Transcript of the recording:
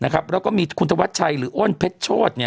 แล้วก็มีคุณธวัชชัยหรืออ้นเพชรโชธ